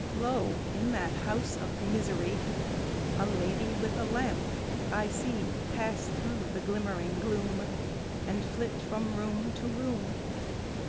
Lo! in that house of misery A lady with a lamp I see Pass through the glimmering gloom, And flit from room to room.